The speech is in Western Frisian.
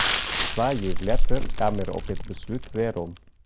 Twa jier letter kaam er op it beslút werom.